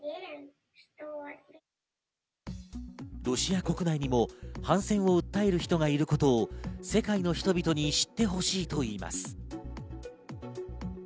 ロシア国内にも反戦を訴える人がいることを世界の人々に知ってほしいと言います。